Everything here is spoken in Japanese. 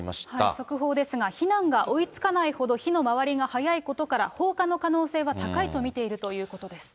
速報ですが、避難が追いつかないほど火の回りが早いことから、放火の可能性が高いと見ているということです。